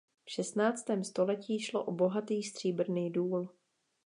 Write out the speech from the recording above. V šestnáctém století šlo o bohatý stříbrný důl.